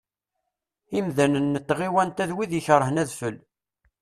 Imdanen n tɣiwant-a d wid ikerhen adfel.